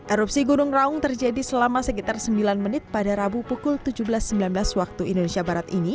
erupsi gunung raung terjadi selama sekitar sembilan menit pada rabu pukul tujuh belas sembilan belas waktu indonesia barat ini